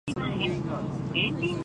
君がいた。